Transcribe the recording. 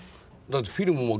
だってフィルムも。